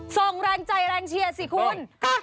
ส่งแรงใจแรงเชียร์สิคุณ